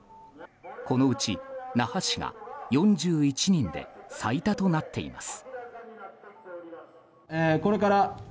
このうち那覇市が４１人で最多となっています。